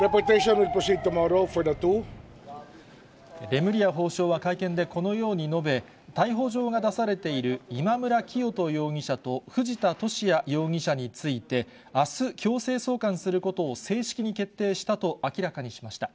レムリヤ法相は会見でこのように述べ、逮捕状が出されている今村磨人容疑者と藤田聖也容疑者について、あす、強制送還することを正式に決定したと明らかにしました。